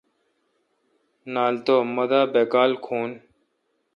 نال تو مہ دا باکال کھو۔